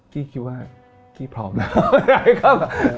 กี้คิดว่ากี้พร้อมแล้ว